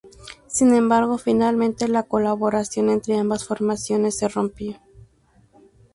Sin embargo, finalmente la colaboración entre ambas formaciones se rompió.